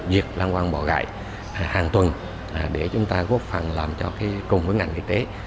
diệt lan quang bỏ gãi hàng tuần để chúng ta góp phần làm cho cái cùng với ngành y tế